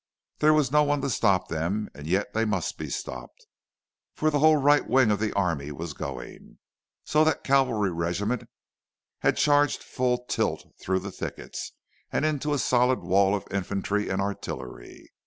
There was no one to stop them and yet they must be stopped, for the whole right wing of the army was going. So that cavalry regiment had charged full tilt through the thickets, and into a solid wall of infantry and artillery.